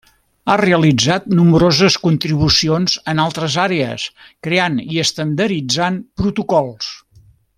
Ha realitzat nombroses contribucions en altres àrees creant i estandarditzant protocols.